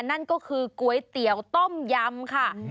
นั่นก็คือก๋วยเตี๋ยวต้มยำค่ะ